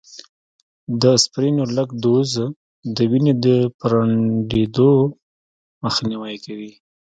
د اسپرينو لږ ډوز، د وینې د پرنډېدلو مخنیوی کوي